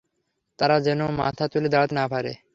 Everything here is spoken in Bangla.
তারা যেন মাথা তুলে দাড়াতে না পারে।